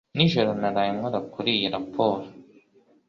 Nijoro naraye nkora kuri iyi raporo